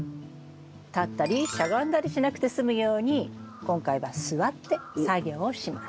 立ったりしゃがんだりしなくて済むように今回は座って作業をします。